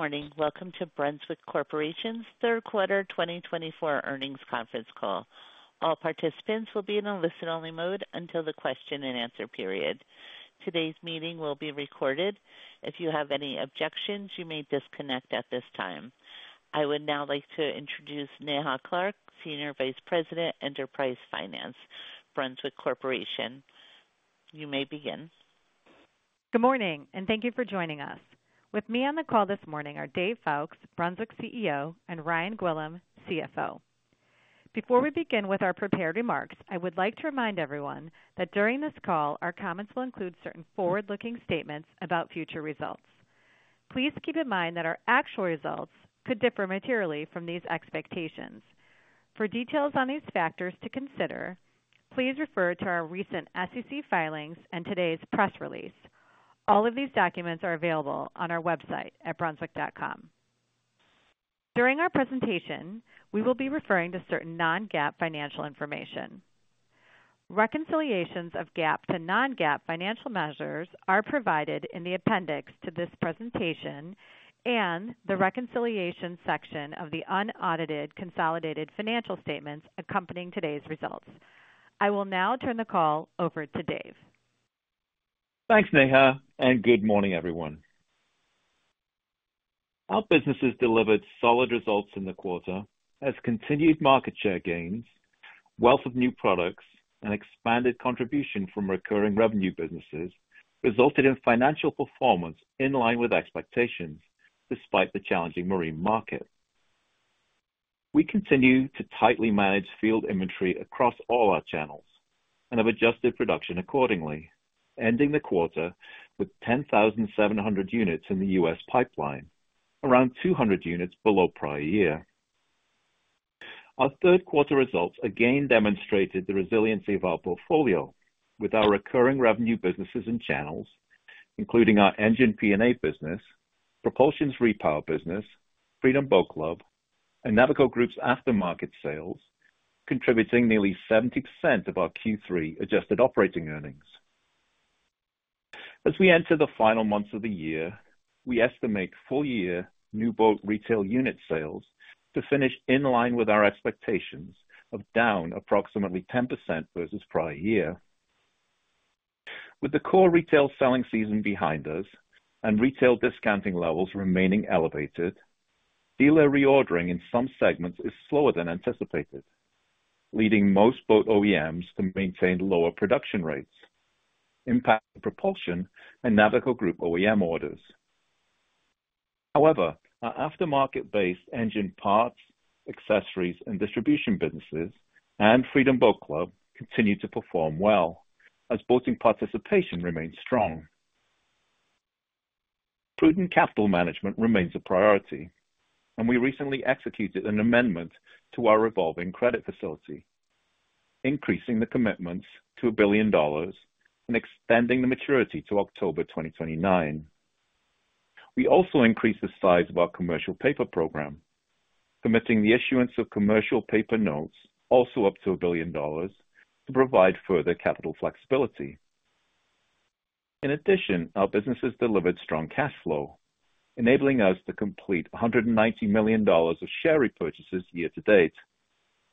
Good morning. Welcome to Brunswick Corporation's third quarter 2024 earnings conference call. All participants will be in a listen-only mode until the question-and-answer period. Today's meeting will be recorded. If you have any objections, you may disconnect at this time. I would now like to introduce Neha Clark, Senior Vice President, Enterprise Finance, Brunswick Corporation. You may begin. Good morning, and thank you for joining us. With me on the call this morning are Dave Foulkes, Brunswick CEO, and Ryan Gwillim, CFO. Before we begin with our prepared remarks, I would like to remind everyone that during this call, our comments will include certain forward-looking statements about future results. Please keep in mind that our actual results could differ materially from these expectations. For details on these factors to consider, please refer to our recent SEC filings and today's press release. All of these documents are available on our website at Brunswick.com. During our presentation, we will be referring to certain non-GAAP financial information. Reconciliations of GAAP to non-GAAP financial measures are provided in the appendix to this presentation and the reconciliation section of the unaudited consolidated financial statements accompanying today's results. I will now turn the call over to Dave. Thanks, Neha, and good morning, everyone. Our businesses delivered solid results in the quarter as continued market share gains, wealth of new products, and expanded contribution from recurring revenue businesses resulted in financial performance in line with expectations, despite the challenging marine market. We continue to tightly manage field inventory across all our channels and have adjusted production accordingly, ending the quarter with ten thousand seven hundred units in the U.S. pipeline, around two hundred units below prior year. Our third quarter results again demonstrated the resiliency of our portfolio with our recurring revenue businesses and channels, including our engine P&A business, Propulsion's Repower business, Freedom Boat Club, and Navico Group's aftermarket sales, contributing nearly 70% of our Q3 adjusted operating earnings. As we enter the final months of the year, we estimate full-year new boat retail unit sales to finish in line with our expectations of down approximately 10% versus prior year. With the core retail selling season behind us and retail discounting levels remaining elevated, dealer reordering in some segments is slower than anticipated, leading most boat OEMs to maintain lower production rates, impacting propulsion and Navico Group OEM orders. However, our aftermarket-based engine parts, accessories, and distribution businesses and Freedom Boat Club continue to perform well as boating participation remains strong. Prudent capital management remains a priority, and we recently executed an amendment to our revolving credit facility, increasing the commitments to $1 billion and extending the maturity to October 2029. We also increased the size of our commercial paper program, permitting the issuance of commercial paper notes, also up to $1 billion, to provide further capital flexibility. In addition, our businesses delivered strong cash flow, enabling us to complete $190 million of share repurchases year to date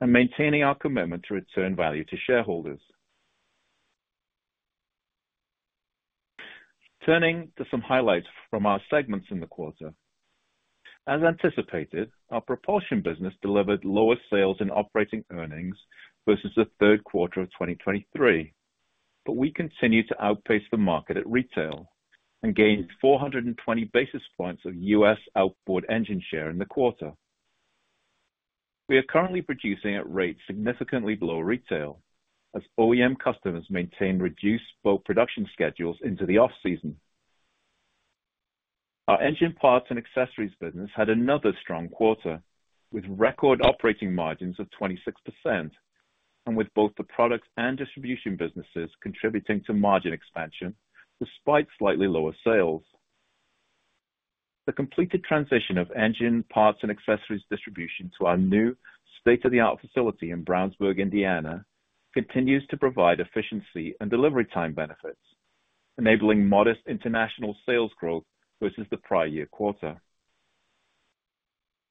and maintaining our commitment to return value to shareholders. Turning to some highlights from our segments in the quarter. As anticipated, our propulsion business delivered lower sales and operating earnings versus the third quarter of 2023, but we continue to outpace the market at retail and gained 420 basis points of U.S. outboard engine share in the quarter. We are currently producing at rates significantly below retail as OEM customers maintain reduced boat production schedules into the off-season. Our engine parts and accessories business had another strong quarter, with record operating margins of 26% and with both the product and distribution businesses contributing to margin expansion despite slightly lower sales. The completed transition of engine parts and accessories distribution to our new state-of-the-art facility in Brownsburg, Indiana, continues to provide efficiency and delivery time benefits, enabling modest international sales growth versus the prior year quarter.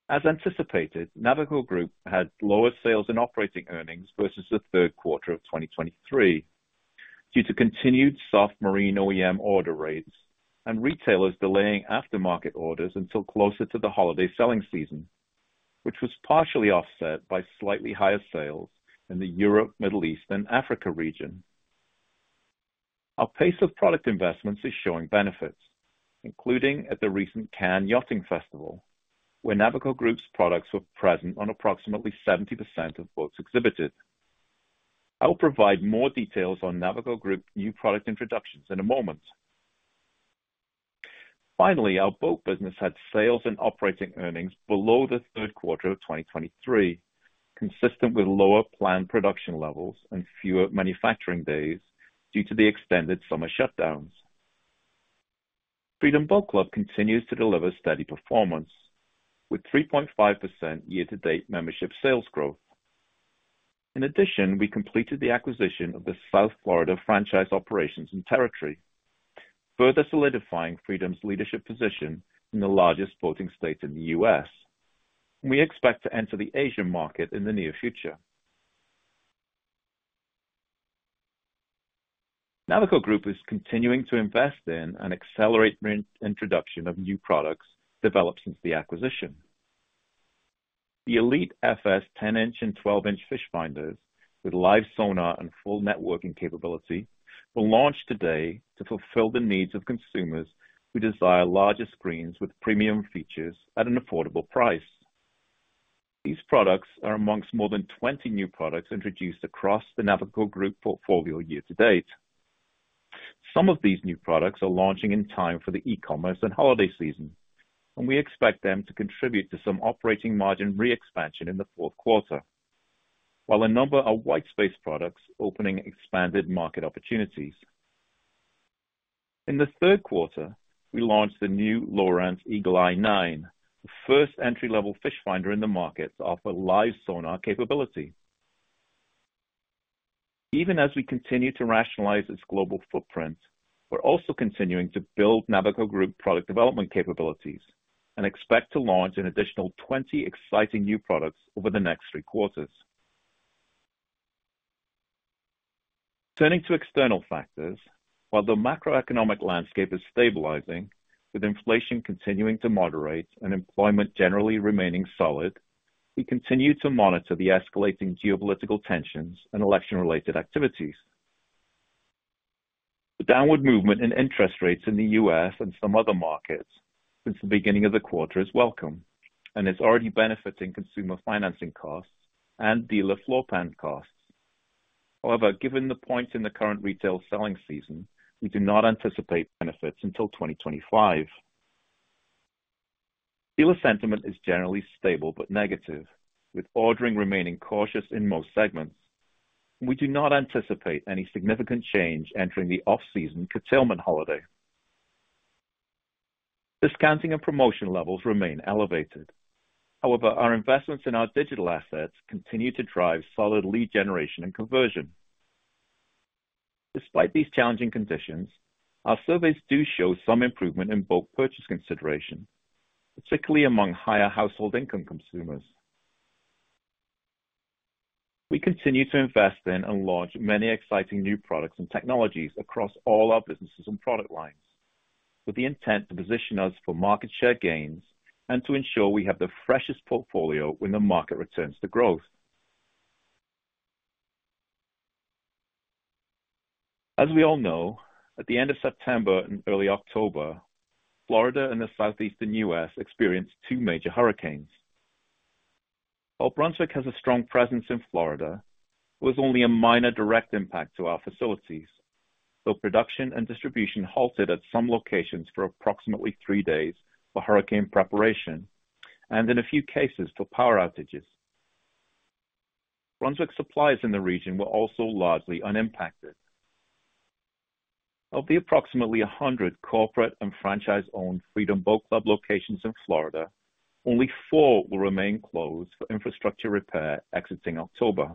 As anticipated, Navico Group had lower sales and operating earnings versus the third quarter of 2023 due to continued soft marine OEM order rates and retailers delaying aftermarket orders until closer to the holiday selling season, which was partially offset by slightly higher sales in the Europe, Middle East, and Africa region. Our pace of product investments is showing benefits, including at the recent Cannes Yachting Festival, where Navico Group's products were present on approximately 70% of boats exhibited. I'll provide more details on Navico Group new product introductions in a moment. Finally, our boat business had sales and operating earnings below the third quarter of 2023, consistent with lower planned production levels and fewer manufacturing days due to the extended summer shutdowns. Freedom Boat Club continues to deliver steady performance, with 3.5% year-to-date membership sales growth. In addition, we completed the acquisition of the South Florida franchise operations and territory, further solidifying Freedom's leadership position in the largest boating state in the U.S. We expect to enter the Asian market in the near future. Navico Group is continuing to invest in and accelerate the introduction of new products developed since the acquisition. The Elite FS 10-inch and 12-inch fish finders, with live sonar and full networking capability, will launch today to fulfill the needs of consumers who desire larger screens with premium features at an affordable price. These products are amongst more than 20 new products introduced across the Navico Group portfolio year to date. Some of these new products are launching in time for the e-commerce and holiday season, and we expect them to contribute to some operating margin re-expansion in the fourth quarter, while a number are white space products opening expanded market opportunities. In the third quarter, we launched the new Lowrance Eagle Eye 9, the first entry-level fish finder in the market to offer live sonar capability. Even as we continue to rationalize its global footprint, we're also continuing to build Navico Group product development capabilities and expect to launch an additional 20 exciting new products over the next three quarters. Turning to external factors, while the macroeconomic landscape is stabilizing, with inflation continuing to moderate and employment generally remaining solid, we continue to monitor the escalating geopolitical tensions and election-related activities. The downward movement in interest rates in the U.S. and some other markets since the beginning of the quarter is welcome and is already benefiting consumer financing costs and dealer floor plan costs. However, given the point in the current retail selling season, we do not anticipate benefits until 2025. Dealer sentiment is generally stable but negative, with ordering remaining cautious in most segments. We do not anticipate any significant change entering the off-season curtailment holiday. Discounting and promotion levels remain elevated. However, our investments in our digital assets continue to drive solid lead generation and conversion. Despite these challenging conditions, our surveys do show some improvement in boat purchase consideration, particularly among higher household income consumers. We continue to invest in and launch many exciting new products and technologies across all our businesses and product lines, with the intent to position us for market share gains and to ensure we have the freshest portfolio when the market returns to growth. As we all know, at the end of September and early October, Florida and the southeastern U.S. experienced two major hurricanes. While Brunswick has a strong presence in Florida, it was only a minor direct impact to our facilities, though production and distribution halted at some locations for approximately three days for hurricane preparation and in a few cases, for power outages. Brunswick supplies in the region were also largely unimpacted. Of the approximately 100 corporate and franchise-owned Freedom Boat Club locations in Florida, only four will remain closed for infrastructure repair exiting October.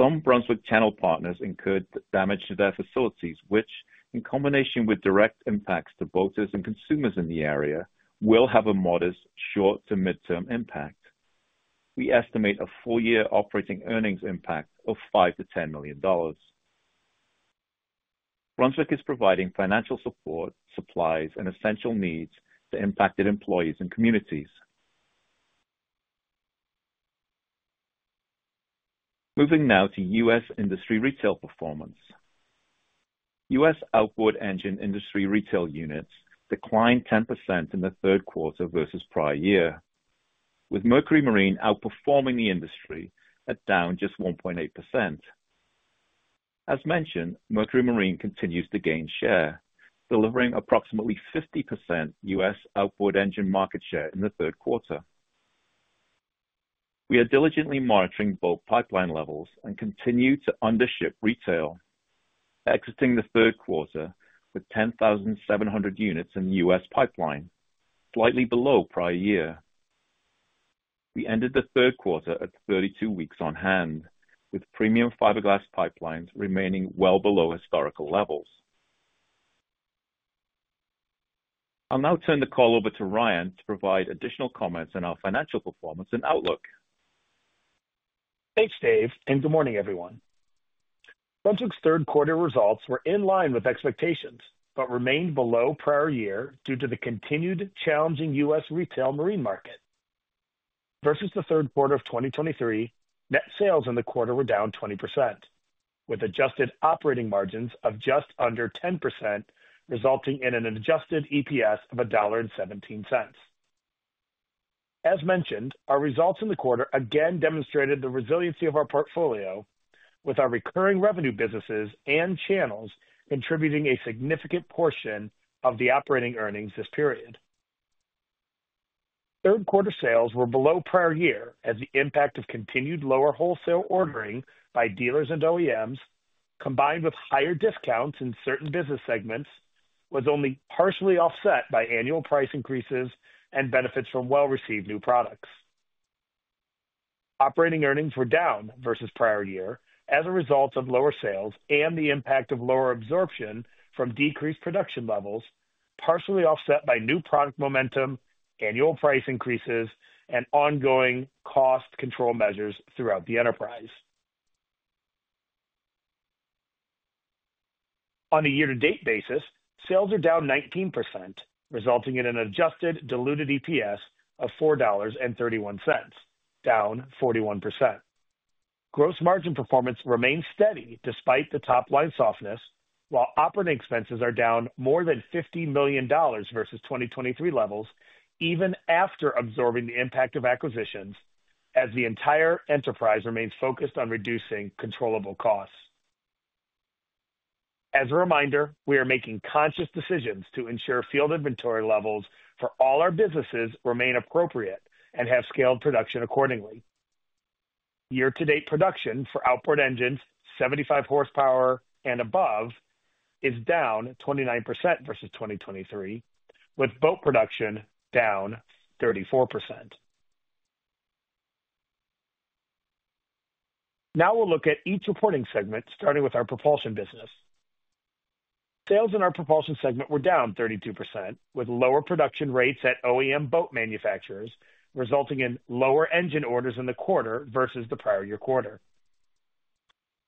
Some Brunswick Channel partners incurred damage to their facilities, which, in combination with direct impacts to boaters and consumers in the area, will have a modest short to midterm impact. We estimate a full year operating earnings impact of $5 million-$10 million. Brunswick is providing financial support, supplies, and essential needs to impacted employees and communities. Moving now to U.S. industry retail performance. U.S. outboard engine industry retail units declined 10% in the third quarter versus prior year, with Mercury Marine outperforming the industry at down just 1.8%. As mentioned, Mercury Marine continues to gain share, delivering approximately 50% U.S. outboard engine market share in the third quarter. We are diligently monitoring both pipeline levels and continue to undership retail, exiting the third quarter with 10,700 units in the U.S. pipeline, slightly below prior year. We ended the third quarter at 32 weeks on hand, with premium fiberglass pipelines remaining well below historical levels. I'll now turn the call over to Ryan to provide additional comments on our financial performance and outlook. Thanks, Dave, and good morning, everyone. Brunswick's third quarter results were in line with expectations, but remained below prior year due to the continued challenging U.S. retail marine market. Versus the third quarter of 2023, net sales in the quarter were down 20%, with adjusted operating margins of just under 10%, resulting in an adjusted EPS of $1.17. As mentioned, our results in the quarter again demonstrated the resiliency of our portfolio with our recurring revenue businesses and channels contributing a significant portion of the operating earnings this period. Third quarter sales were below prior year as the impact of continued lower wholesale ordering by dealers and OEMs, combined with higher discounts in certain business segments, was only partially offset by annual price increases and benefits from well-received new products. Operating earnings were down versus prior year as a result of lower sales and the impact of lower absorption from decreased production levels, partially offset by new product momentum, annual price increases, and ongoing cost control measures throughout the enterprise. On a year-to-date basis, sales are down 19%, resulting in an adjusted diluted EPS of $4.31, down 41%. Gross margin performance remains steady despite the top-line softness, while operating expenses are down more than $50 million versus 2023 levels, even after absorbing the impact of acquisitions, as the entire enterprise remains focused on reducing controllable costs. As a reminder, we are making conscious decisions to ensure field inventory levels for all our businesses remain appropriate and have scaled production accordingly. Year-to-date production for outboard engines, 75-horsepower and above, is down 29% versus 2023, with boat production down 34%. Now we'll look at each reporting segment, starting with our propulsion business. Sales in our propulsion segment were down 32%, with lower production rates at OEM boat manufacturers, resulting in lower engine orders in the quarter versus the prior year quarter.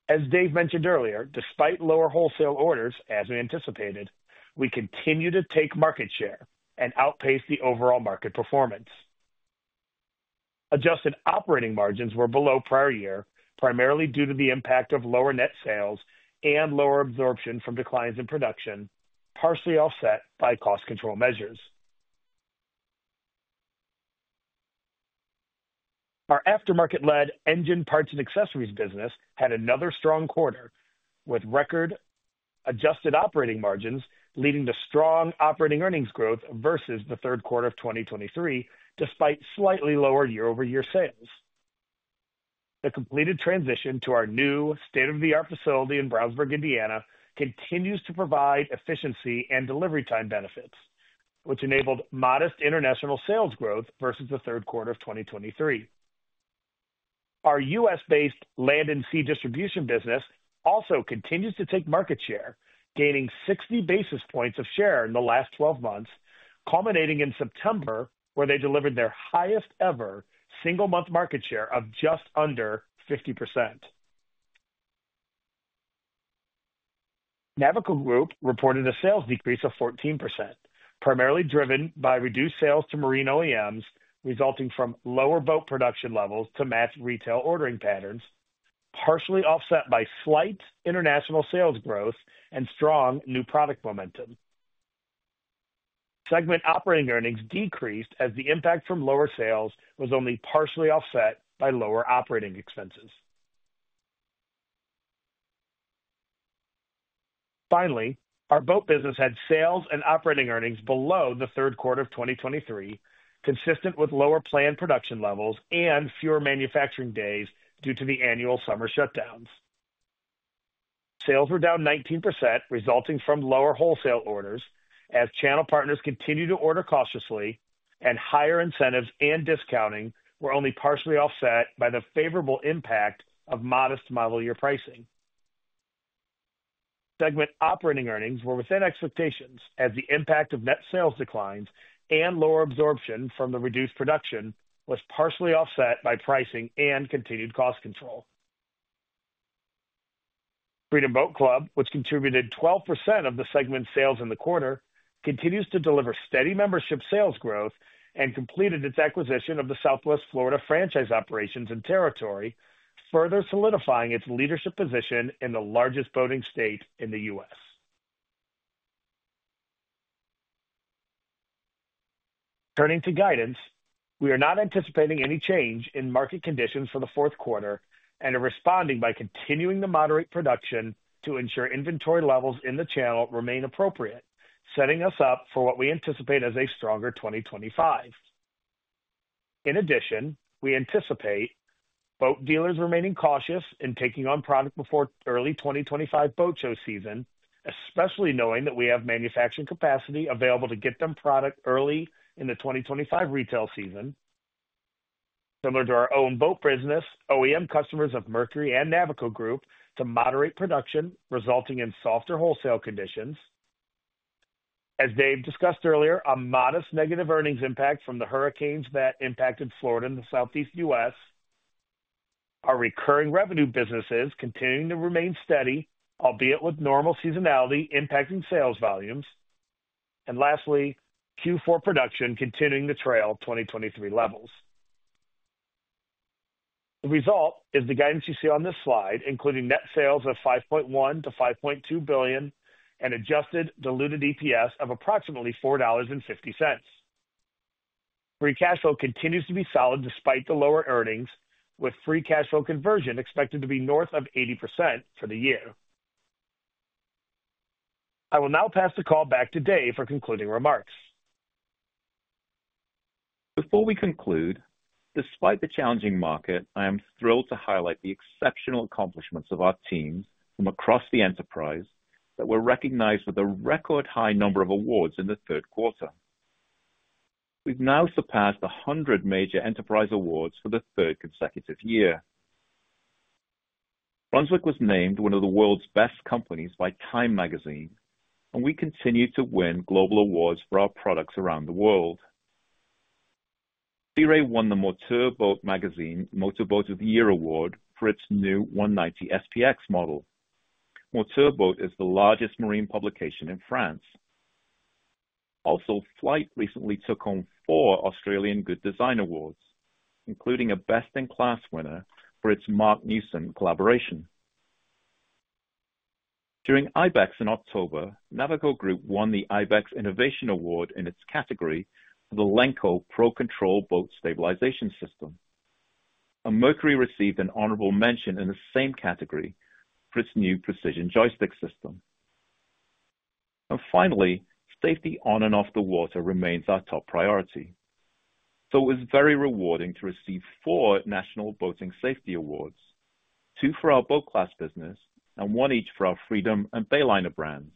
As Dave mentioned earlier, despite lower wholesale orders, as we anticipated, we continue to take market share and outpace the overall market performance. Adjusted operating margins were below prior year, primarily due to the impact of lower net sales and lower absorption from declines in production, partially offset by cost control measures. Our aftermarket-led engine parts and accessories business had another strong quarter, with record adjusted operating margins leading to strong operating earnings growth versus the third quarter of 2023, despite slightly lower year-over-year sales. The completed transition to our new state-of-the-art facility in Brownsburg, Indiana, continues to provide efficiency and delivery time benefits, which enabled modest international sales growth versus the third quarter of 2023. Our U.S.-based Land 'N' Sea distribution business also continues to take market share, gaining 60 basis points of share in the last 12 months, culminating in September, where they delivered their highest ever single-month market share of just under 50%. Navico Group reported a sales decrease of 14%, primarily driven by reduced sales to marine OEMs, resulting from lower boat production levels to match retail ordering patterns, partially offset by slight international sales growth and strong new product momentum. Segment operating earnings decreased as the impact from lower sales was only partially offset by lower operating expenses. Finally, our boat business had sales and operating earnings below the third quarter of 2023, consistent with lower planned production levels and fewer manufacturing days due to the annual summer shutdowns. Sales were down 19%, resulting from lower wholesale orders, as channel partners continued to order cautiously and higher incentives and discounting were only partially offset by the favorable impact of modest model year pricing. Segment operating earnings were within expectations, as the impact of net sales declines and lower absorption from the reduced production was partially offset by pricing and continued cost control. Freedom Boat Club, which contributed 12% of the segment's sales in the quarter, continues to deliver steady membership sales growth and completed its acquisition of the Southwest Florida franchise operations and territory, further solidifying its leadership position in the largest boating state in the U.S. Turning to guidance, we are not anticipating any change in market conditions for the fourth quarter and are responding by continuing to moderate production to ensure inventory levels in the channel remain appropriate, setting us up for what we anticipate as a stronger 2025. In addition, we anticipate boat dealers remaining cautious in taking on product before early 2025 boat show season, especially knowing that we have manufacturing capacity available to get them product early in the 2025 retail season. Similar to our own boat business, OEM customers of Mercury and Navico Group to moderate production, resulting in softer wholesale conditions. As Dave discussed earlier, a modest negative earnings impact from the hurricanes that impacted Florida and the southeast U.S. Our recurring revenue business is continuing to remain steady, albeit with normal seasonality impacting sales volumes, and lastly, Q4 production continuing to trail 2023 levels. The result is the guidance you see on this slide, including net sales of $5.1 billion-$5.2 billion and adjusted diluted EPS of approximately $4.50. Free cash flow continues to be solid despite the lower earnings, with free cash flow conversion expected to be north of 80% for the year. I will now pass the call back to Dave for concluding remarks. ...Before we conclude, despite the challenging market, I am thrilled to highlight the exceptional accomplishments of our teams from across the enterprise that were recognized with a record high number of awards in the third quarter. We've now surpassed 100 major enterprise awards for the third consecutive year. Brunswick was named one of the world's best companies by Time Magazine, and we continue to win global awards for our products around the world. Sea Ray won the Moteur Boat magazine Moteur Boat of the Year Award for its new 190 SPX model. Moteur Boat is the largest marine publication in France. Also, Flite recently took home four Australian Good Design Awards, including a Best in Class winner for its Marc Newson collaboration. During IBEX in October, Navico Group won the IBEX Innovation Award in its category for the Lenco Pro Control Boat Stabilization System. Mercury received an honorable mention in the same category for its new precision joystick system. Finally, safety on and off the water remains our top priority. It was very rewarding to receive four National Boating Safety Awards, two for our BoatClass business and one each for our Freedom Boat Club and Bayliner brands.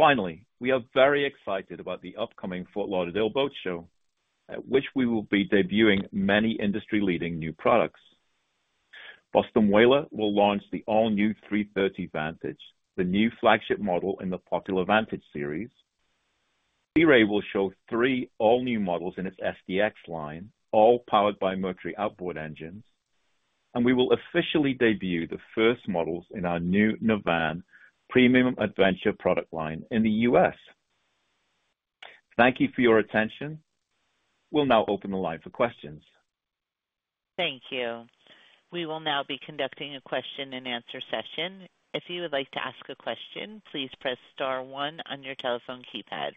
Finally, we are very excited about the upcoming Fort Lauderdale Boat Show, at which we will be debuting many industry-leading new products. Boston Whaler will launch the all-new 330 Vantage, the new flagship model in the popular Vantage series. Sea Ray will show three all-new models in its SDX line, all powered by Mercury outboard engines, and we will officially debut the first models in our new Navan premium adventure product line in the U.S. Thank you for your attention. We'll now open the line for questions. Thank you. We will now be conducting a question-and-answer session. If you would like to ask a question, please press star one on your telephone keypad.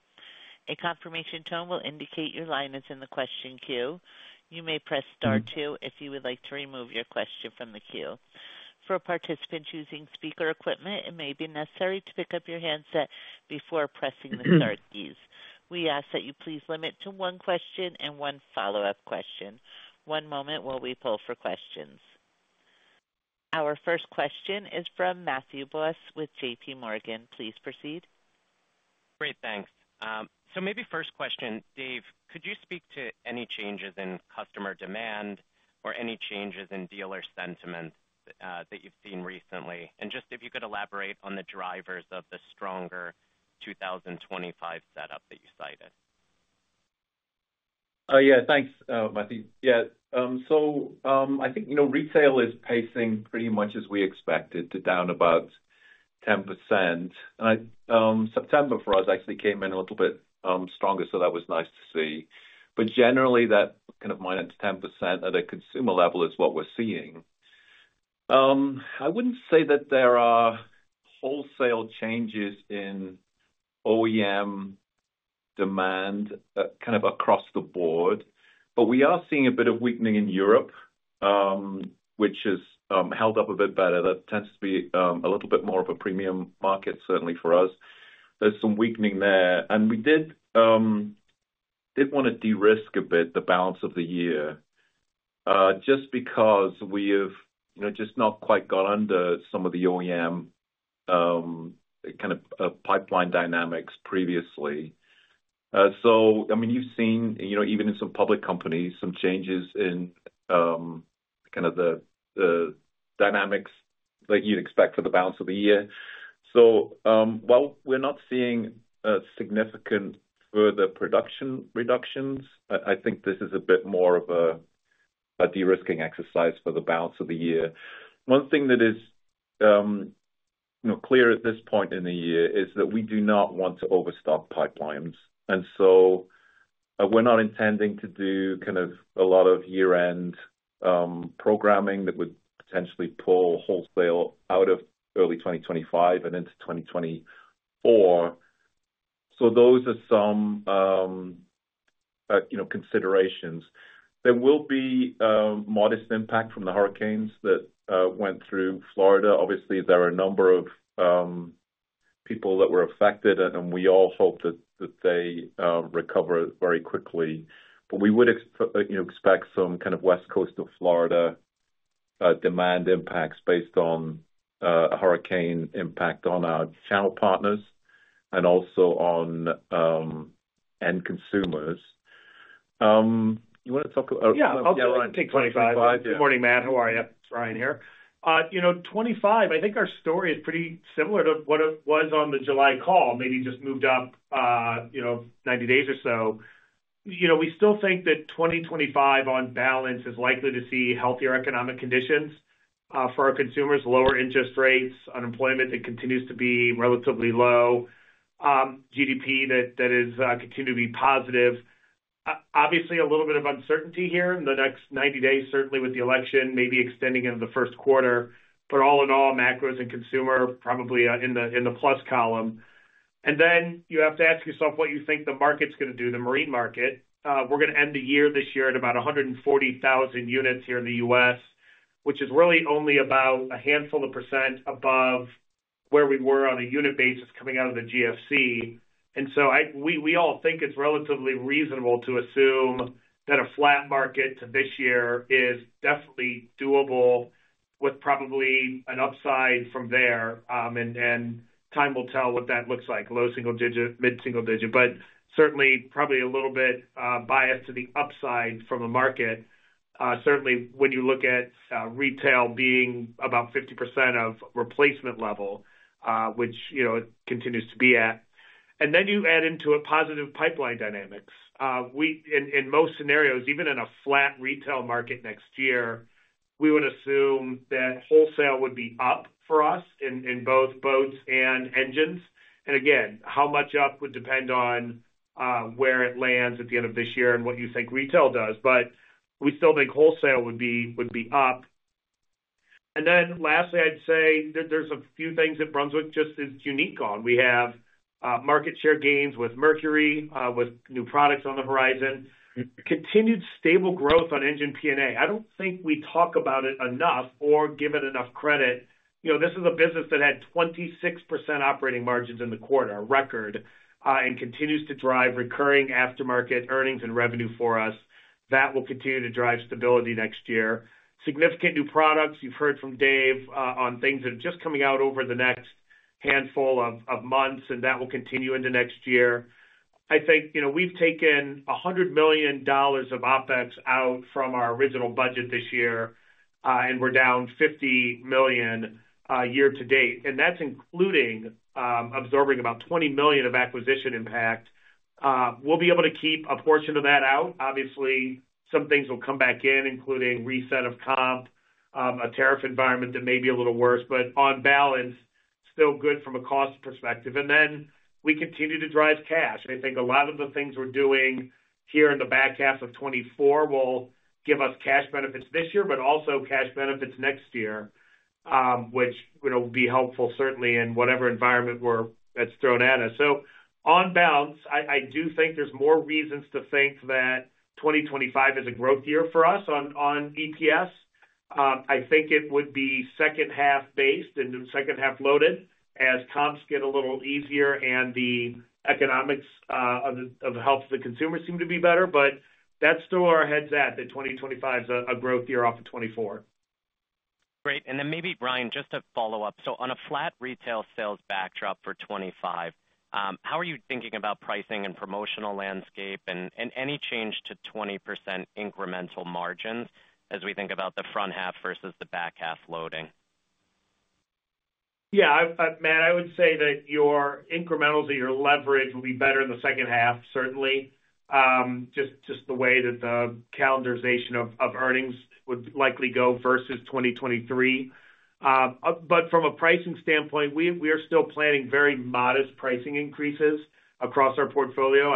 A confirmation tone will indicate your line is in the question queue. You may press star two if you would like to remove your question from the queue. For participants using speaker equipment, it may be necessary to pick up your handset before pressing the star keys. We ask that you please limit to one question and one follow-up question. One moment while we pull for questions. Our first question is from Matthew Boss with J.P. Morgan. Please proceed. Great, thanks. So maybe first question, Dave, could you speak to any changes in customer demand or any changes in dealer sentiment, that you've seen recently? And just if you could elaborate on the drivers of the stronger 2025 setup that you cited. Oh, yeah, thanks, Matthew. Yeah. So, I think, you know, retail is pacing pretty much as we expected, down about 10%. And in September for us actually came in a little bit stronger, so that was nice to see. But generally, that kind of minus 10% at a consumer level is what we're seeing. I wouldn't say that there are wholesale changes in OEM demand kind of across the board, but we are seeing a bit of weakening in Europe, which has held up a good bit better. That tends to be a little bit more of a premium market, certainly for us. There's some weakening there, and we did want to de-risk a bit, the balance of the year, just because we have, you know, just not quite got under some of the OEM, kind of, pipeline dynamics previously. So, I mean, you've seen, you know, even in some public companies, some changes in, kind of the dynamics that you'd expect for the balance of the year. So, while we're not seeing a significant further production reductions, I think this is a bit more of a de-risking exercise for the balance of the year. One thing that is, you know, clear at this point in the year is that we do not want to overstock pipelines, and so we're not intending to do kind of a lot of year-end programming that would potentially pull wholesale out of early 2025 and into 2024. So those are some, you know, considerations. There will be modest impact from the hurricanes that went through Florida. Obviously, there are a number of people that were affected, and we all hope that they recover very quickly. But we would, you know, expect some kind of West Coast of Florida demand impacts based on a hurricane impact on our channel partners and also on end consumers. You want to talk- Yeah, I'll take 2025. Good morning, Matt. How are you? Ryan here. You know, 2025, I think our story is pretty similar to what it was on the July call, maybe just moved up, you know, ninety days or so. You know, we still think that 2025, on balance, is likely to see healthier economic conditions for our consumers, lower interest rates, unemployment that continues to be relatively low, GDP that is continue to be positive. Obviously, a little bit of uncertainty here in the next ninety days, certainly with the election, maybe extending into the first quarter, but all in all, macros and consumer, probably, in the plus column, and then you have to ask yourself what you think the market's going to do, the marine market. We're going to end the year this year at about 140,000 units here in the U.S., which is really only about a handful of percent above where we were on a unit basis coming out of the GFC. We all think it's relatively reasonable to assume that a flat market to this year is definitely doable with probably an upside from there, and time will tell what that looks like, low single digit, mid-single digit, but certainly probably a little bit, biased to the upside from a market. Certainly, when you look at retail being about 50% of replacement level, which, you know, it continues to be at. And then you add into a positive pipeline dynamics. We in most scenarios, even in a flat retail market next year, we would assume that wholesale would be up for us in both boats and engines. And again, how much up would depend on where it lands at the end of this year and what you think retail does. But we still think wholesale would be up. And then lastly, I'd say that there's a few things that Brunswick just is unique on. We have market share gains with Mercury with new products on the horizon, continued stable growth on engine P&A. I don't think we talk about it enough or give it enough credit. You know, this is a business that had 26% operating margins in the quarter, a record, and continues to drive recurring aftermarket earnings and revenue for us. That will continue to drive stability next year. Significant new products. You've heard from Dave on things that are just coming out over the next handful of months, and that will continue into next year. I think, you know, we've taken $100 million of OpEx out from our original budget this year, and we're down $50 million year-to-date, and that's including absorbing about $20 million of acquisition impact. We'll be able to keep a portion of that out. Obviously, some things will come back in, including reset of comp, a tariff environment that may be a little worse, but on balance, still good from a cost perspective, and then we continue to drive cash. I think a lot of the things we're doing here in the back half of 2024 will give us cash benefits this year, but also cash benefits next year, which, you know, will be helpful certainly in whatever environment we're in that's thrown at us. So on balance, I do think there's more reasons to think that 2025 is a growth year for us on EPS. I think it would be second half based and second half loaded as comps get a little easier and the economics of the health of the consumer seem to be better, but that's still where our head's at, that 2025 is a growth year off of 2024. Great. And then maybe, Ryan, just to follow up. So on a flat retail sales backdrop for 2025, how are you thinking about pricing and promotional landscape and any change to 20% incremental margins as we think about the front half versus the back half loading? Yeah, I've Matt, I would say that your incrementals or your leverage will be better in the second half, certainly, just the way that the calendarization of earnings would likely go versus 2023. But from a pricing standpoint, we are still planning very modest pricing increases across our portfolio.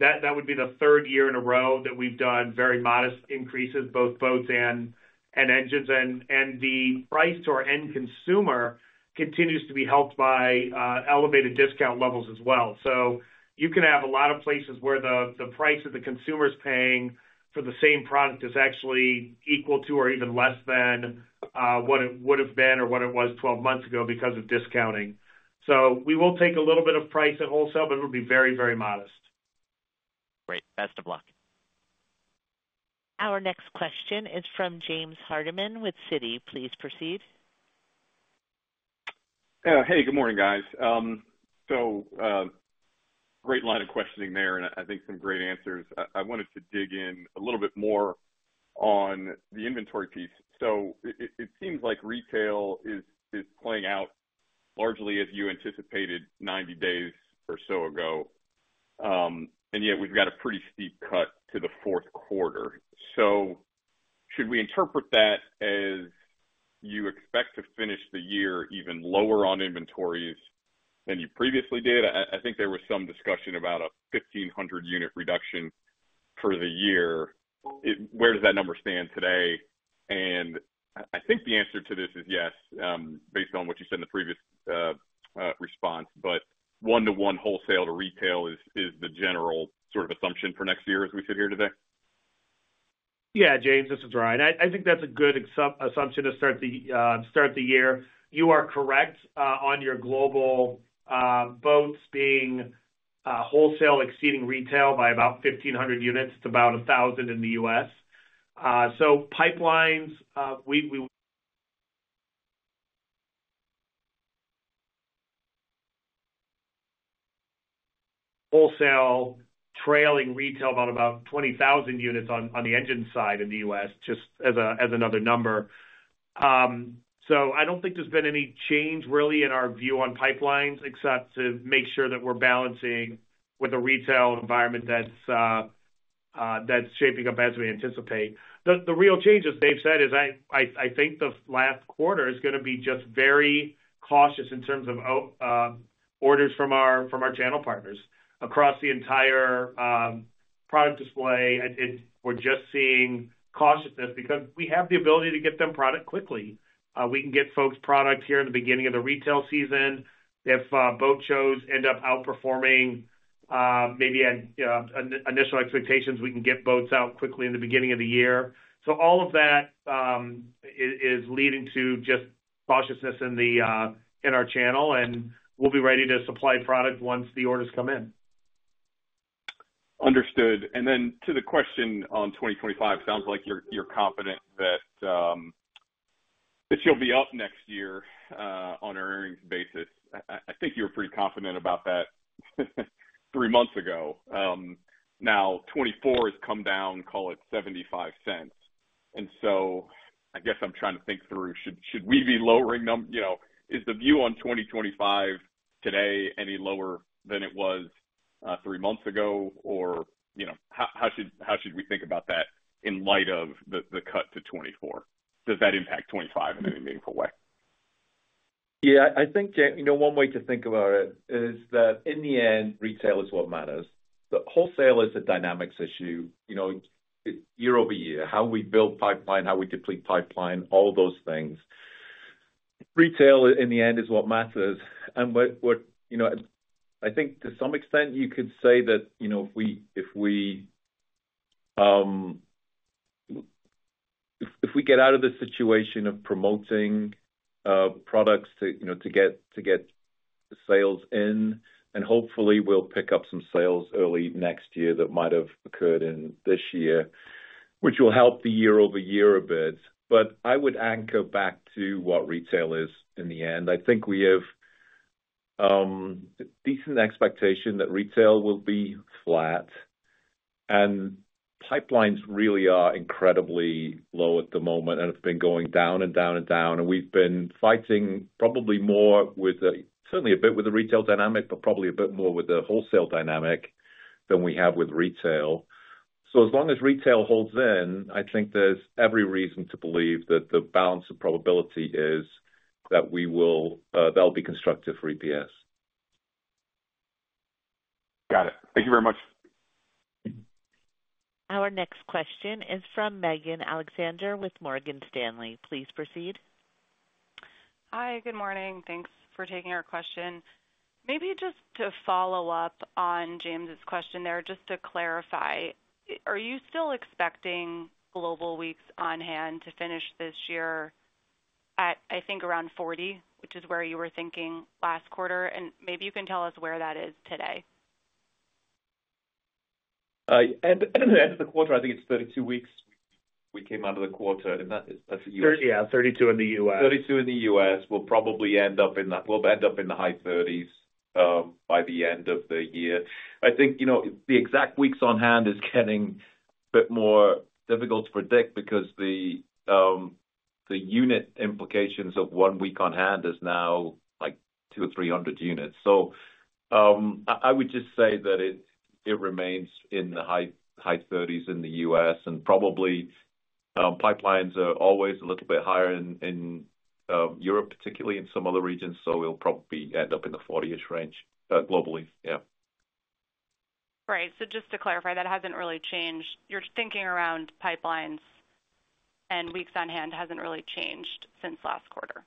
That would be the third year in a row that we've done very modest increases, both boats and engines, and the price to our end consumer continues to be helped by elevated discount levels as well. So you can have a lot of places where the price that the consumer is paying for the same product is actually equal to or even less than what it would have been or what it was 12 months ago because of discounting. So we will take a little bit of price at wholesale, but it'll be very, very modest. Great. Best of luck. Our next question is from James Hardiman with Citi. Please proceed. Hey, good morning, guys. So, great line of questioning there, and I think some great answers. I wanted to dig in a little bit more on the inventory piece. So it seems like retail is playing out largely as you anticipated ninety days or so ago, and yet we've got a pretty steep cut to the fourth quarter. So should we interpret that as you expect to finish the year even lower on inventories than you previously did? I think there was some discussion about a fifteen hundred unit reduction for the year. It, where does that number stand today? I think the answer to this is yes, based on what you said in the previous response, but one-to-one wholesale to retail is the general sort of assumption for next year as we sit here today? Yeah, James, this is Ryan. I think that's a good assumption to start the year. You are correct on your global boats being wholesale exceeding retail by about fifteen hundred units to about a thousand in the U.S. So pipelines, wholesale trailing retail by about 20,000 units on the engine side in the U.S., just as another number. So I don't think there's been any change really in our view on pipelines, except to make sure that we're balancing with a retail environment that's shaping up as we anticipate. The real change, as Dave said, is I think the last quarter is gonna be just very cautious in terms of orders from our channel partners across the entire product display. We're just seeing cautiousness because we have the ability to get them product quickly. We can get folks product here in the beginning of the retail season. If boat shows end up outperforming maybe an initial expectations we can get boats out quickly in the beginning of the year, so all of that is leading to just cautiousness in our channel, and we'll be ready to supply product once the orders come in. Understood. And then to the question on 2025, sounds like you're confident that you'll be up next year on an earnings basis. I think you were pretty confident about that three months ago. Now 2024 has come down, call it $0.75. And so I guess I'm trying to think through, should we be lowering them? You know, is the view on 2025 today any lower than it was three months ago? Or, you know, how should we think about that in light of the cut to 2024? Does that impact 2025 in any meaningful way? Yeah, I think, you know, one way to think about it is that in the end, retail is what matters. The wholesale is a dynamics issue, you know, year-over-year, how we build pipeline, how we deplete pipeline, all those things. Retail, in the end, is what matters. And what, you know, I think to some extent you could say that, you know, if we get out of the situation of promoting products to, you know, to get the sales in, and hopefully we'll pick up some sales early next year that might have occurred in this year, which will help the year-over-year a bit. But I would anchor back to what retail is in the end. I think we have a decent expectation that retail will be flat, and pipelines really are incredibly low at the moment, and have been going down and down and down. And we've been fighting probably more with the, certainly a bit with the retail dynamic, but probably a bit more with the wholesale dynamic than we have with retail. So as long as retail holds in, I think there's every reason to believe that the balance of probability is that we will, that'll be constructive for EPS. Got it. Thank you very much. Our next question is from Megan Alexander with Morgan Stanley. Please proceed. Hi, good morning. Thanks for taking our question. Maybe just to follow up on James' question there, just to clarify, are you still expecting global weeks on hand to finish this year at, I think, around forty? Which is where you were thinking last quarter, and maybe you can tell us where that is today. At the end of the quarter, I think it's thirty-two weeks. We came out of the quarter, and that is, that's the- Yeah, 32 in the U.S. Thirty-two in the U.S. We'll probably end up in that. We'll end up in the high thirties by the end of the year. I think, you know, the exact weeks on hand is getting a bit more difficult to predict because the unit implications of one week on hand is now, like, two or three hundred units. So, I would just say that it remains in the high, high thirties in the U.S., and probably pipelines are always a little bit higher in Europe, particularly in some other regions, so we'll probably end up in the forty-ish range globally. Yeah. Right. So just to clarify, that hasn't really changed. Your thinking around pipelines and weeks on hand hasn't really changed since last quarter?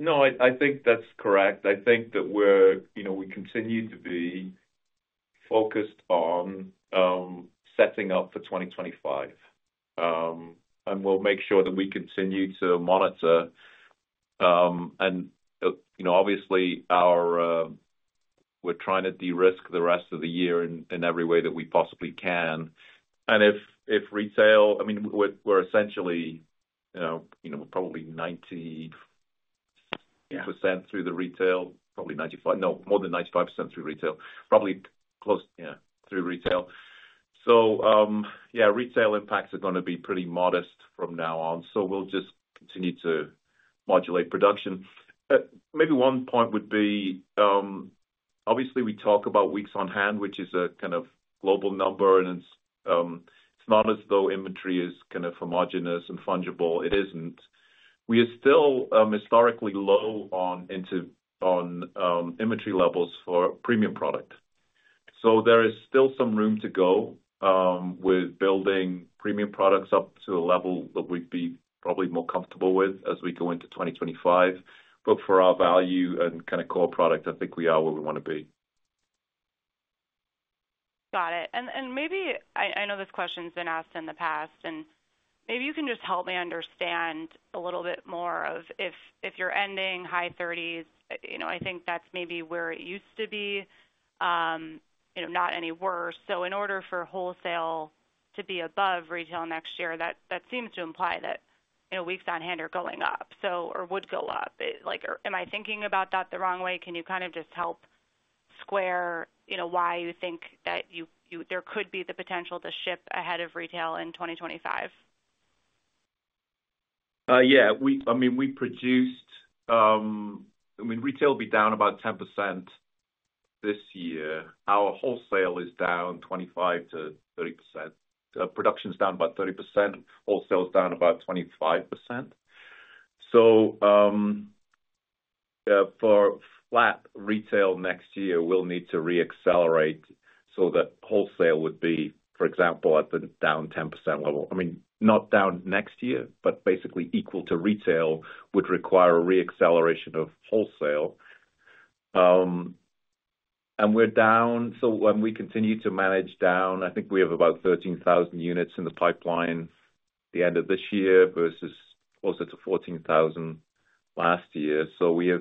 No, I think that's correct. I think that we're, you know, we continue to be focused on setting up for 2025. And we'll make sure that we continue to monitor, and, you know, obviously our, we're trying to de-risk the rest of the year in every way that we possibly can. And if retail, I mean, we're essentially, you know, probably 90% through the retail, probably 95%, no, more than 95% through retail. Probably close, yeah, through retail. So, yeah, retail impacts are gonna be pretty modest from now on, so we'll just continue to modulate production. Maybe one point would be, obviously, we talk about weeks on hand, which is a kind of global number, and it's not as though inventory is kind of homogeneous and fungible. It isn't. We are still historically low on inventory levels for premium product. So there is still some room to go with building premium products up to a level that we'd be probably more comfortable with as we go into 2025. But for our value and kind of core products, I think we are where we want to be. Got it. And maybe... I know this question's been asked in the past, and maybe you can just help me understand a little bit more of if you're ending high thirties, you know, I think that's maybe where it used to be, you know, not any worse. So in order for wholesale to be above retail next year, that seems to imply that, you know, weeks on hand are going up, so, or would go up. Like, am I thinking about that the wrong way? Can you kind of just help square, you know, why you think that there could be the potential to ship ahead of retail in 2025? Yeah. I mean, retail will be down about 10% this year. Our wholesale is down 25%-30%. Production is down about 30%, wholesale is down about 25%. So, for flat retail next year, we'll need to reaccelerate so that wholesale would be, for example, at the down 10% level. I mean, not down next year, but basically equal to retail would require a re-acceleration of wholesale. And we're down, so when we continue to manage down, I think we have about 13,000 units in the pipeline the end of this year versus closer to 14,000 last year. So we have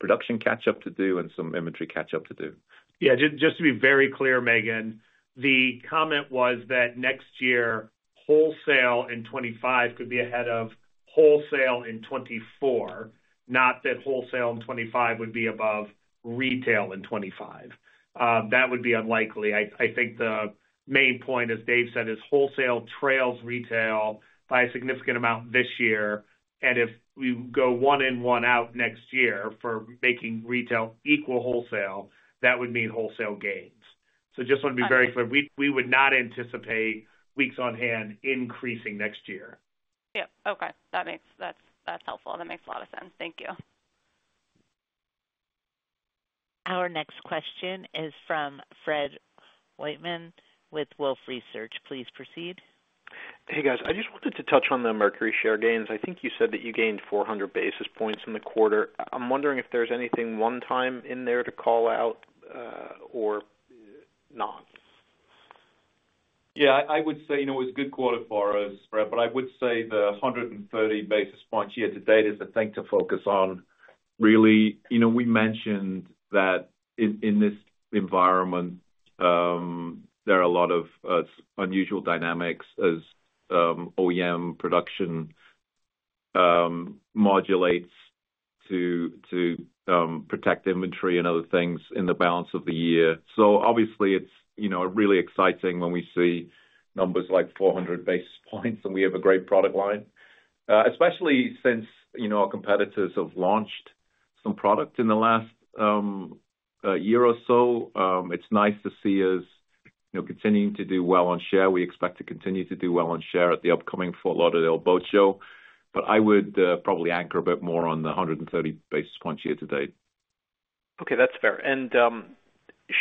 some production catch up to do and some inventory catch up to do. Yeah, just to be very clear, Megan, the comment was that next year, wholesale in 2025 could be ahead of wholesale in 2024, not that wholesale in 2025 would be above retail in 2025. That would be unlikely. I think the main point, as Dave said, is wholesale trails retail by a significant amount this year, and if we go one in, one out next year for making retail equal wholesale, that would mean wholesale gains. So just want to be very clear. We would not anticipate weeks on hand increasing next year. Yeah. Okay. That's helpful. That makes a lot of sense. Thank you. Our next question is from Fred Wightman with Wolfe Research. Please proceed. Hey, guys. I just wanted to touch on the Mercury share gains. I think you said that you gained four hundred basis points in the quarter. I'm wondering if there's anything one time in there to call out, or not? Yeah, I would say, you know, it's a good quarter for us, Fred, but I would say the 130 basis points year to date is the thing to focus on, really. You know, we mentioned that in this environment, there are a lot of unusual dynamics as OEM production modulates to protect inventory and other things in the balance of the year. So obviously, it's, you know, really exciting when we see numbers like 400 basis points, and we have a great product line. Especially since, you know, our competitors have launched some product in the last year or so. It's nice to see us, you know, continuing to do well on share. We expect to continue to do well on share at the upcoming Fort Lauderdale Boat Show. But I would probably anchor a bit more on the hundred and thirty basis points year to date. Okay, that's fair. And,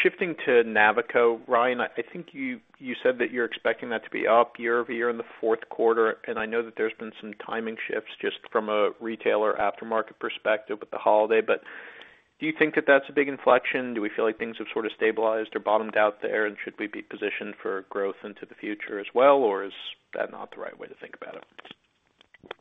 shifting to Navico, Ryan, I think you said that you're expecting that to be up year-over-year in the fourth quarter, and I know that there's been some timing shifts just from a retailer aftermarket perspective with the holiday, but do you think that that's a big inflection? Do we feel like things have sort of stabilized or bottomed out there, and should we be positioned for growth into the future as well, or is that not the right way to think about it?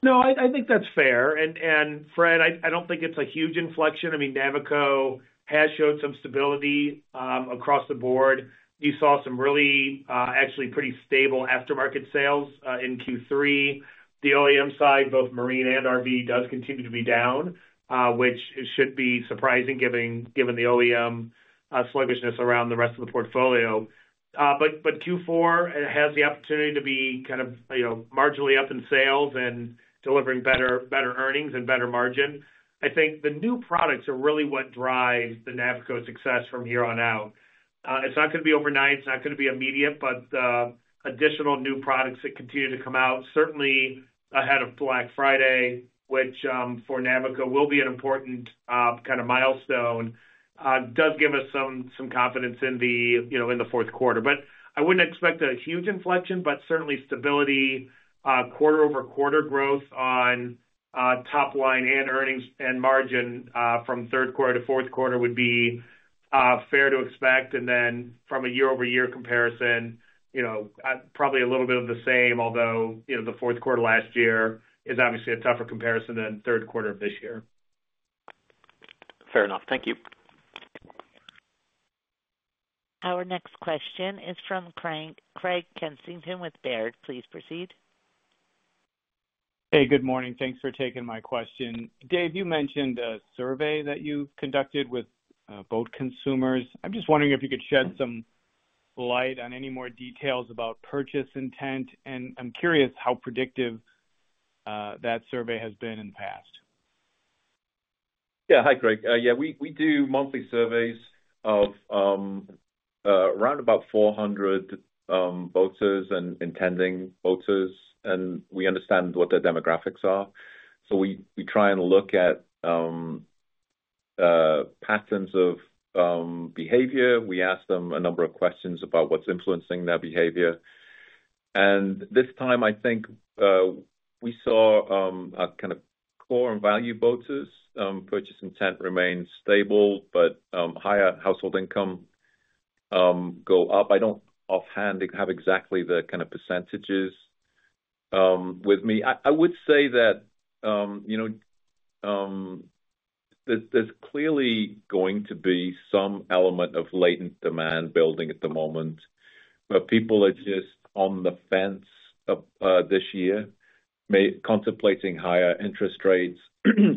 No, I think that's fair, and Fred, I don't think it's a huge inflection. I mean, Navico has showed some stability across the board. You saw some really actually pretty stable aftermarket sales in Q3. The OEM side, both Marine and RV, does continue to be down, which should be surprising, given the OEM sluggishness around the rest of the portfolio, but Q4 has the opportunity to be kind of, you know, marginally up in sales and delivering better earnings and better margin. I think the new products are really what drive the Navico success from here on out. It's not going to be overnight, it's not going to be immediate, but additional new products that continue to come out, certainly ahead of Black Friday, which, for Navico, will be an important kind of milestone, does give us some confidence in the, you know, in the fourth quarter. But I wouldn't expect a huge inflection, but certainly stability, quarter-over-quarter growth on top line and earnings and margin, from third quarter to fourth quarter would be fair to expect. And then from a year-over-year comparison, you know, probably a little bit of the same, although, you know, the fourth quarter last year is obviously a tougher comparison than third quarter of this year. Fair enough. Thank you. Our next question is from Craig Kennison with Baird. Please proceed. Hey, good morning. Thanks for taking my question. Dave, you mentioned a survey that you conducted with boat consumers. I'm just wondering if you could shed some light on any more details about purchase intent, and I'm curious how predictive that survey has been in the past. Yeah. Hi, Craig. Yeah, we do monthly surveys of around about 400 boaters and intending boaters, and we understand what their demographics are. So we try and look at patterns of behavior. We ask them a number of questions about what's influencing their behavior. And this time, I think we saw a kind of core and value boaters purchase intent remains stable, but higher household income go up. I don't offhand have exactly the kind of percentages with me. I would say that, you know, there's clearly going to be some element of latent demand building at the moment, where people are just on the fence of this year, contemplating higher interest rates,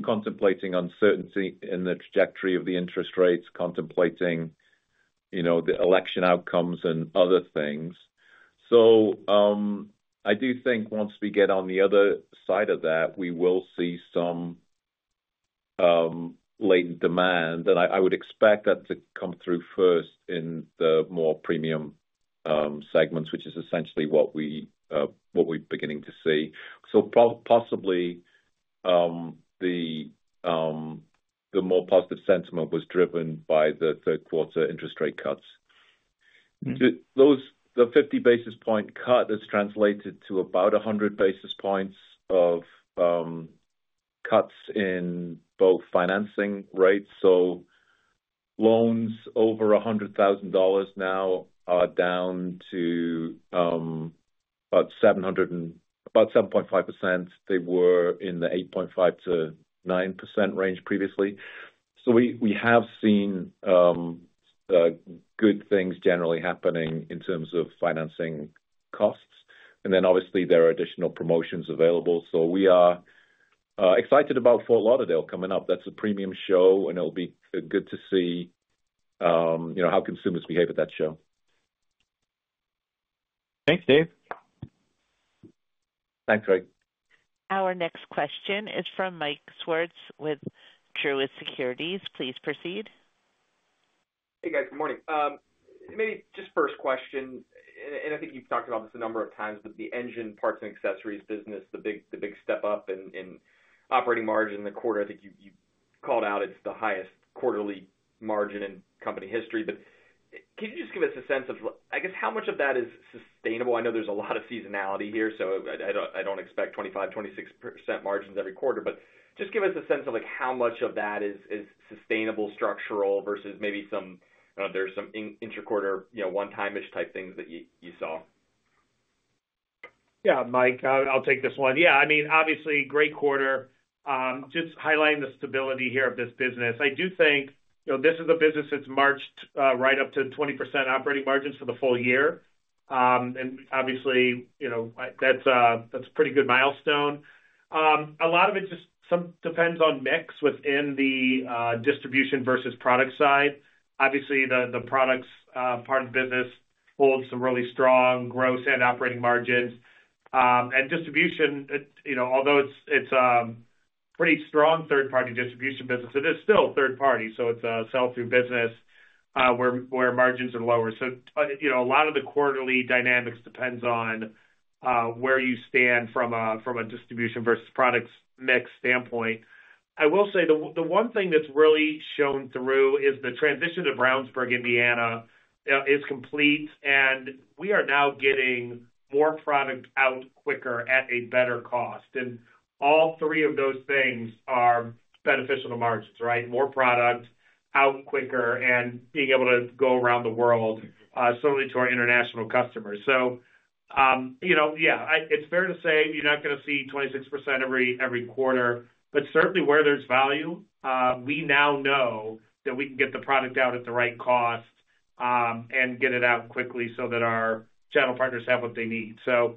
contemplating uncertainty in the trajectory of the interest rates, contemplating, you know, the election outcomes and other things. So, I do think once we get on the other side of that, we will see some latent demand, and I would expect that to come through first in the more premium segments, which is essentially what we're beginning to see. So possibly, the more positive sentiment was driven by the third quarter interest rate cuts. The 50 basis point cut has translated to about 100 basis points of cuts in both financing rates. So loans over a hundred thousand dollars now are down to about 7.5%. They were in the 8.5%-9% range previously. We have seen good things generally happening in terms of financing costs. And then obviously, there are additional promotions available. We are excited about Fort Lauderdale coming up. That's a premium show, and it'll be good to see you know how consumers behave at that show. Thanks, Dave. Thanks, Craig. Our next question is from Mike Swartz with Truist Securities. Please proceed. Hey, guys. Good morning. Maybe just first question, and I think you've talked about this a number of times, but the engine parts and accessories business, the big step up in operating margin in the quarter, I think you called out it's the highest quarterly margin in company history. But can you just give us a sense of, I guess, how much of that is sustainable? I know there's a lot of seasonality here, so I don't expect 25%-26% margins every quarter. But just give us a sense of, like, how much of that is sustainable, structural, versus maybe some, there's some intraquarter, you know, one-timish type things that you saw. Yeah, Mike, I, I'll take this one. Yeah, I mean, obviously, great quarter. Just highlighting the stability here of this business. I do think, you know, this is a business that's marched right up to 20% operating margins for the full year. And obviously, you know, that's a pretty good milestone. A lot of it just depends on mix within the distribution versus product side. Obviously, the products part of the business holds some really strong gross and operating margins. And distribution, it, you know, although it's a pretty strong third-party distribution business, it is still third party, so it's a sell-through business where margins are lower. So, you know, a lot of the quarterly dynamics depends on where you stand from a distribution versus products mix standpoint. I will say, the one thing that's really shown through is the transition to Brownsburg, Indiana, is complete, and we are now getting more product out quicker at a better cost. And all three of those things are beneficial to margins, right? More product out quicker and being able to go around the world, certainly to our international customers. So, you know, yeah, it's fair to say you're not gonna see 26% every quarter, but certainly where there's value, we now know that we can get the product out at the right cost, and get it out quickly so that our channel partners have what they need. So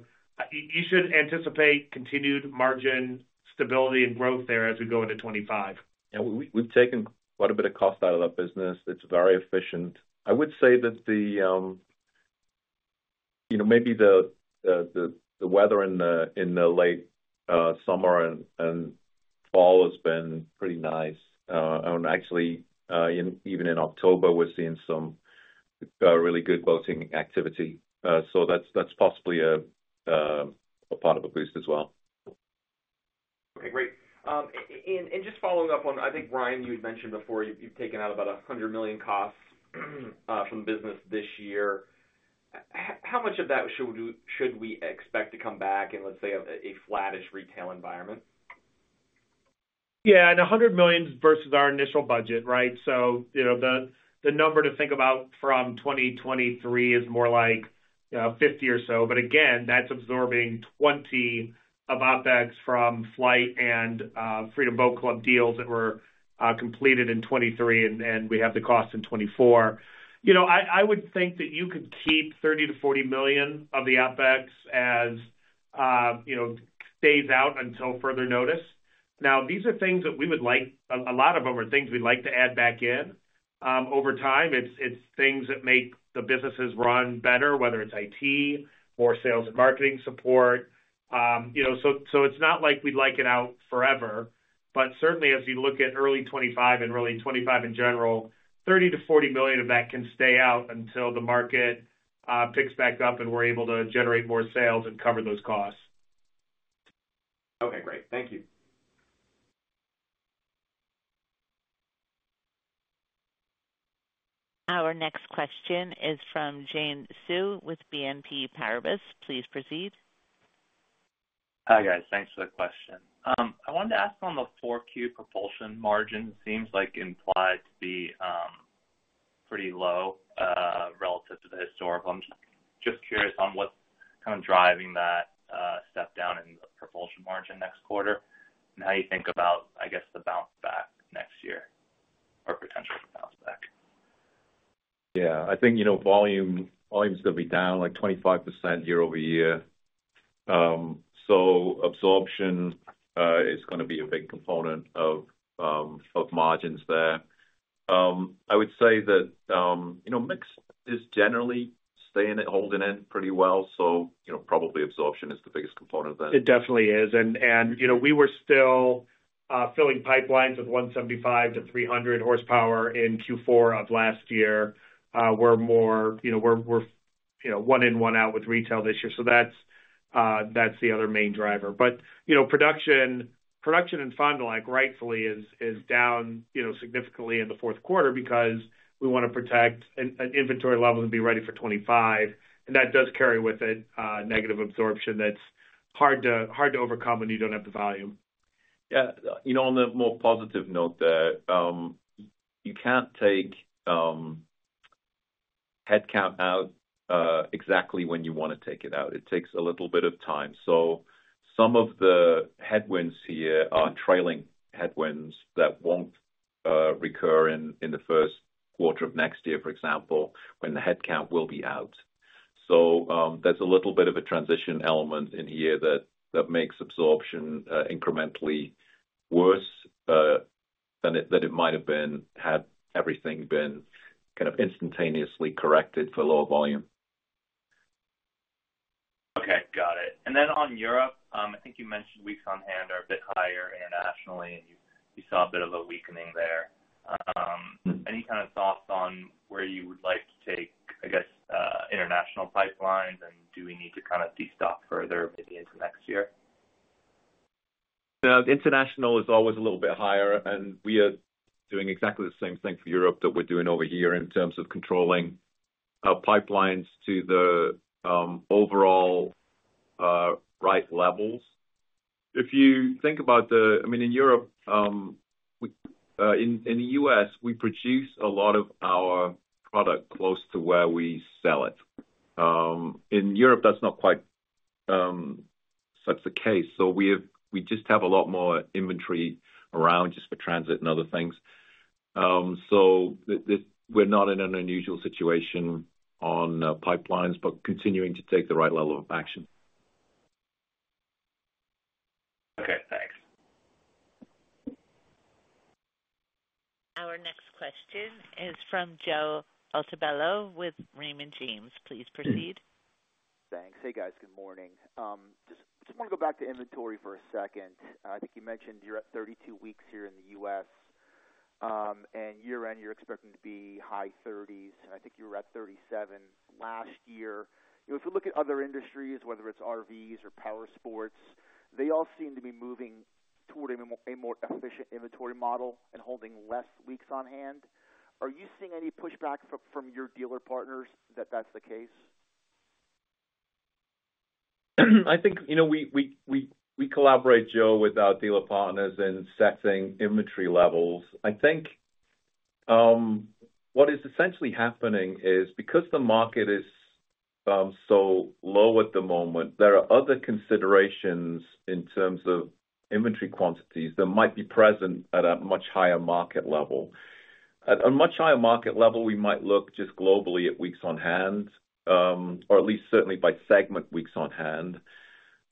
you should anticipate continued margin stability and growth there as we go into 2025. Yeah, we've taken quite a bit of cost out of that business. It's very efficient. I would say that the weather in the late summer and fall has been pretty nice and actually, even in October, we're seeing some really good boating activity, so that's possibly a part of a boost as well. Okay, great. And just following up on, I think, Ryan, you had mentioned before, you've taken out about $100 million costs from business this year. How much of that should we expect to come back in, let's say, a flattish retail environment? Yeah, and $100 million versus our initial budget, right? So, you know, the number to think about from 2023 is more like 50 or so. But again, that's absorbing $20 million of OpEx from Flite and Freedom Boat Club deals that were completed in 2023, and we have the cost in 2024. You know, I would think that you could keep $30 million-$40 million of the OpEx as you know stays out until further notice. Now, these are things that we would like. A lot of them are things we'd like to add back in over time. It's things that make the businesses run better, whether it's IT or sales and marketing support. You know, so it's not like we'd like it out forever, but certainly as we look at early 2025 and really 2025 in general, $30 million-$40 million of that can stay out until the market picks back up and we're able to generate more sales and cover those costs. Okay, great. Thank you. Our next question is from Xian Siew with BNP Paribas. Please proceed. Hi, guys. Thanks for the question. I wanted to ask on the 4Q propulsion margin, seems like implied to be pretty low relative to the historical. I'm just curious on what's kind of driving that step down in the propulsion margin next quarter, and how you think about, I guess, the bounce back next year or potential bounce back? Yeah. I think, you know, volume, volume's gonna be down, like, 25% year-over-year. So absorption is gonna be a big component of of margins there. I would say that, you know, mix is generally staying in it, holding in pretty well, so, you know, probably absorption is the biggest component of that. It definitely is. And you know, we were still filling pipelines with 175-300 horsepower in Q4 of last year. We're more, you know, one in, one out with retail this year. So that's the other main driver. But you know, production in Fond du Lac, rightfully, is down significantly in the fourth quarter because we want to protect an inventory level and be ready for 2025, and that does carry with it negative absorption that's hard to overcome when you don't have the volume. Yeah. You know, on the more positive note there, you can't take headcount out exactly when you wanna take it out. It takes a little bit of time. So some of the headwinds here are trailing headwinds that won't recur in the first quarter of next year, for example, when the headcount will be out. So, there's a little bit of a transition element in here that makes absorption incrementally worse than it might have been, had everything been kind of instantaneously corrected for lower volume. Okay, got it. And then on Europe, I think you mentioned weeks on hand are a bit higher internationally, and you saw a bit of a weakening there. Any kind of thoughts on where you would like to take, I guess, international pipelines? And do we need to kind of destock further maybe into next year? The international is always a little bit higher, and we are doing exactly the same thing for Europe that we're doing over here in terms of controlling our pipelines to the overall right levels. If you think about, I mean, in the U.S., we produce a lot of our product close to where we sell it. In Europe, that's not quite such the case, so we have. We just have a lot more inventory around, just for transit and other things. So we're not in an unusual situation on pipelines, but continuing to take the right level of action. Okay, thanks. Our next question is from Joe Altobello with Raymond James. Please proceed. Thanks. Hey, guys. Good morning. Just wanna go back to inventory for a second. I think you mentioned you're at 32 weeks here in the U.S., and year-end, you're expecting to be high thirties, and I think you were at 37 last year. If you look at other industries, whether it's RVs or powersports, they all seem to be moving toward a more efficient inventory model and holding less weeks on hand. Are you seeing any pushback from your dealer partners that that's the case? I think, you know, we collaborate, Joe, with our dealer partners in setting inventory levels. I think, what is essentially happening is because the market is so low at the moment, there are other considerations in terms of inventory quantities that might be present at a much higher market level. At a much higher market level, we might look just globally at weeks on hand, or at least certainly by segment weeks on hand.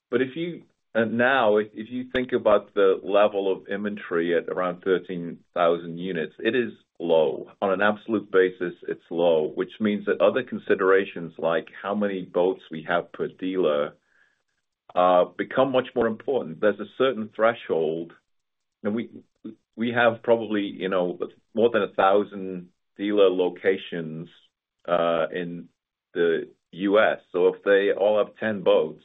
But if you... And now, if you think about the level of inventory at around 13,000 units, it is low. On an absolute basis, it's low, which means that other considerations, like how many boats we have per dealer, become much more important. There's a certain threshold, and we have probably, you know, more than 1,000 dealer locations in the U.S. So if they all have ten boats,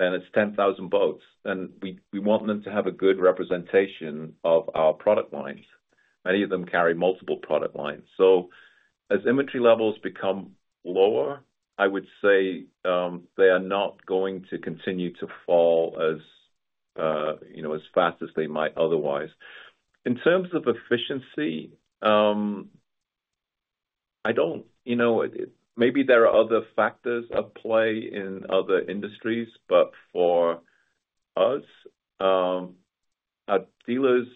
then it's ten thousand boats, and we want them to have a good representation of our product lines. Many of them carry multiple product lines. So as inventory levels become lower, I would say, they are not going to continue to fall as, you know, as fast as they might otherwise. In terms of efficiency, I don't... You know, maybe there are other factors at play in other industries, but for us, our dealers,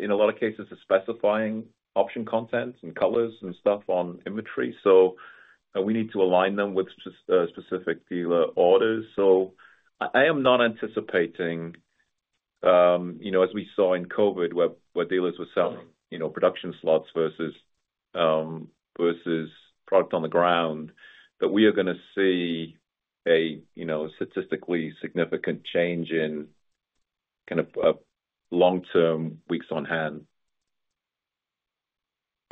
in a lot of cases, are specifying option content and colors and stuff on inventory, so, and we need to align them with just, specific dealer orders. So I am not anticipating, you know, as we saw in COVID, where dealers were selling, you know, production slots versus product on the ground, that we are gonna see a, you know, statistically significant change in kind of long-term weeks on hand.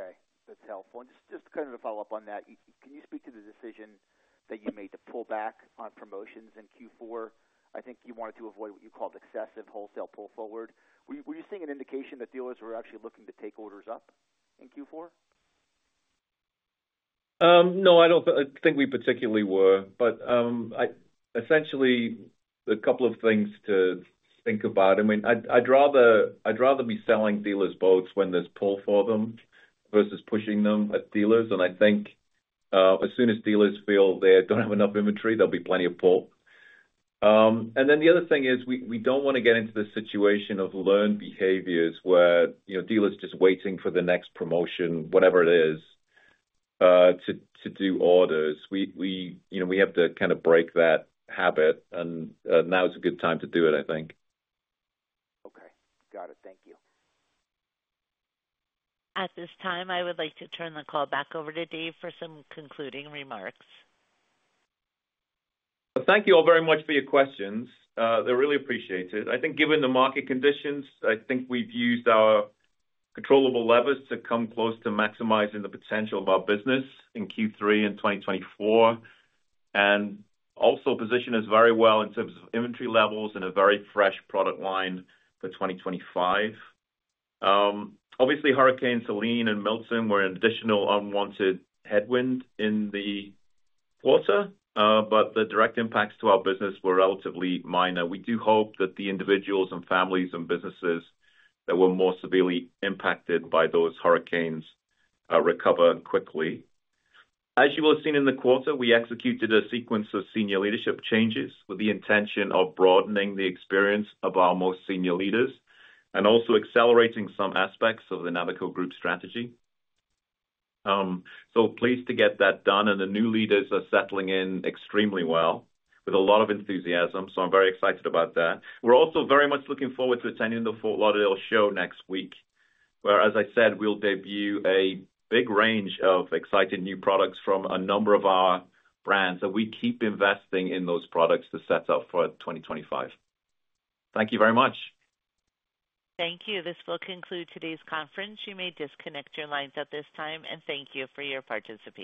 Okay. That's helpful. And just kind of a follow-up on that. Can you speak to the decision that you made to pull back on promotions in Q4? I think you wanted to avoid what you called excessive wholesale pull forward. Were you seeing an indication that dealers were actually looking to take orders up in Q4? No, I don't think we particularly were, but essentially, a couple of things to think about. I mean, I'd rather be selling dealers boats when there's pull for them versus pushing them at dealers. And I think, as soon as dealers feel they don't have enough inventory, there'll be plenty of pull. And then the other thing is, we don't wanna get into the situation of learned behaviors where, you know, dealers just waiting for the next promotion, whatever it is, to do orders. We, you know, we have to kind of break that habit, and now is a good time to do it, I think. Okay. Got it. Thank you. At this time, I would like to turn the call back over to Dave for some concluding remarks. Thank you all very much for your questions. They're really appreciated. I think given the market conditions, I think we've used our controllable levers to come close to maximizing the potential of our business in Q3 in 2024, and also position us very well in terms of inventory levels and a very fresh product line for 2025. Obviously, Hurricane Helene and Milton were an additional unwanted headwind in the quarter, but the direct impacts to our business were relatively minor. We do hope that the individuals and families and businesses that were more severely impacted by those hurricanes recover quickly. As you will have seen in the quarter, we executed a sequence of senior leadership changes with the intention of broadening the experience of our most senior leaders, and also accelerating some aspects of the Navico Group strategy. So pleased to get that done, and the new leaders are settling in extremely well with a lot of enthusiasm, so I'm very excited about that. We're also very much looking forward to attending the Fort Lauderdale show next week, where, as I said, we'll debut a big range of exciting new products from a number of our brands, so we keep investing in those products to set up for 2025. Thank you very much. Thank you. This will conclude today's conference. You may disconnect your lines at this time, and thank you for your participation.